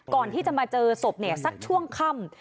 ก่อนที่จะมาเจอศพสักช่วงค่ำ